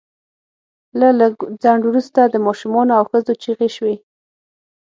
له لږ ځنډ وروسته د ماشومانو او ښځو چیغې شوې